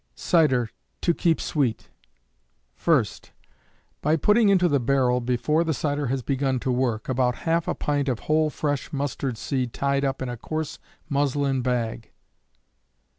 Cider To Keep Sweet. 1st. By putting into the barrel before the cider has begun to work, about half a pint of whole fresh mustard seed tied up in a coarse muslin bag.